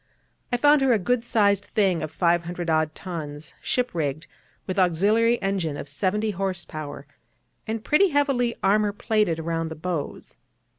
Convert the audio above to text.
I found her a good sized thing of 500 odd tons, ship rigged, with auxiliary engine of seventy horse power, and pretty heavily armour plated round the bows.